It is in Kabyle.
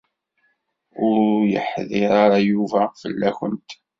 Ur d-yeḥḍiṛ ara Yuba fell-akent.